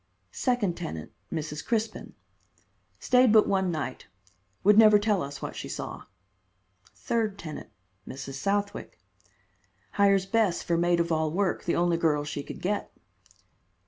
Second tenant: Mrs. Crispin. Stayed but one night. Would never tell us what she saw. Third tenant: Mrs. Southwick. Hires Bess for maid of all work, the only girl she could get.